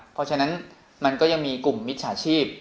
เพราะฉะนั้นมันก็ยังมีกลุ่มมิจฉาชีพ